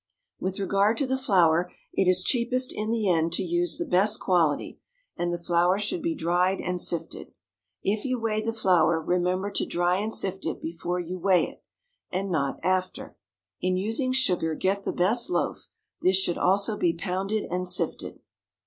With regard to the flour, it is cheapest in the end to use the best quality, and the flour should be dried and sifted. If you weigh the flour remember to dry and sift it before you weigh it, and not after. In using sugar get the best loaf; this should also be pounded and sifted.